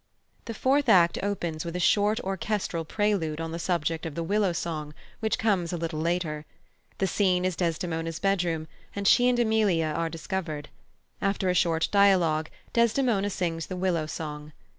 The fourth act opens with a short orchestral prelude on the subject of the "Willow Song," which comes a little later. The scene is Desdemona's bedroom, and she and Emilia are discovered. After a short dialogue, Desdemona sings the "Willow Song."